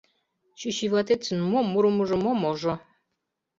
— Чӱчӱватетшын мо мурымыжо, мо можо?!